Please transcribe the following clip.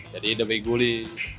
jadi lebih guling